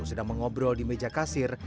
sedang mengobrol di meja kasir